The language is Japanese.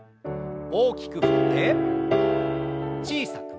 大きく振って小さく。